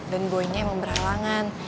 dan boynya emang berhalangan